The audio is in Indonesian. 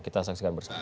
kita saksikan bersama